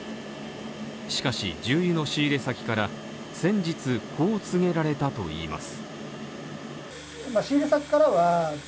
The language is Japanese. しかし、重油の仕入れ先から先日、こう告げられたといいます。